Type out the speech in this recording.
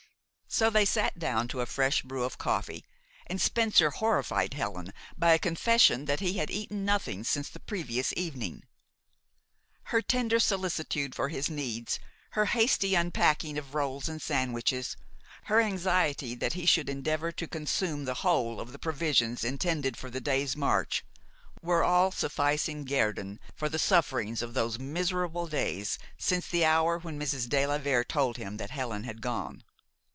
So they sat down to a fresh brew of coffee, and Spencer horrified Helen by a confession that he had eaten nothing since the previous evening. Her tender solicitude for his needs, her hasty unpacking of rolls and sandwiches, her anxiety that he should endeavor to consume the whole of the provisions intended for the day's march, were all sufficing guerdon for the sufferings of those miserable days since the hour when Mrs. de la Vere told him that Helen had gone.